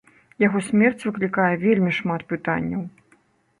Яго смерць выклікае вельмі шмат пытанняў.